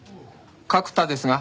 角田ですが？